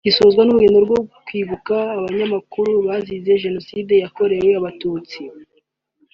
gisozwa n’urugendo rwo kwibuka abanyamakuru bazize Jenoside yakorewe Abatutsi